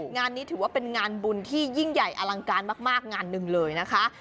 งานนี้ถือว่าเป็นงานบุญที่ยิ่งใหญ่อลังการมากงานหนึ่งเลยนะคะ